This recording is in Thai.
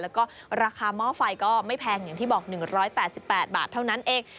แล้วก็ราคาหม้อไฟก็ไม่แพงอย่างที่บอก๑๘๘บาทเท่านั้นเอง